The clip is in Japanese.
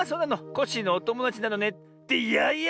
コッシーのおともだちなのね。ってやや！